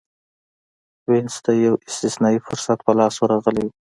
وینز ته یو استثنايي فرصت په لاس ورغلی و.